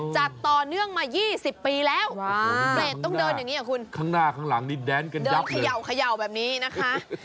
จัดต่อเนื่องมา๒๐ปีแล้วเปรตต้องเดินอย่างนี้คุณข้างหน้าข้างหลังนี่แดนกันเดินเขย่าแบบนี้นะคะ